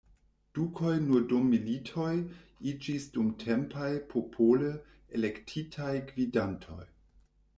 Dukoj nur dum militoj iĝis dumtempaj, popole elektitaj gvidantoj.